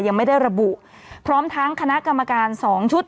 ยังไม่ได้ระบุพร้อมทั้งคณะกรรมการ๒ชุด